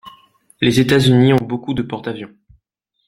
Les états unis ont beaucoup de porte avions.